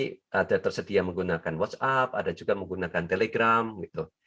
ada tersedia menggunakan whatsapp ada juga menggunakan telegram gitu